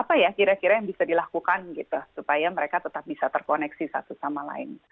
apa ya kira kira yang bisa dilakukan gitu supaya mereka tetap bisa terkoneksi satu sama lain